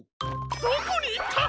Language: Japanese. どこにいった！？